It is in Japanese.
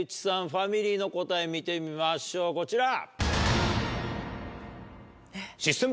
ファミリーの答え見てみましょうこちら。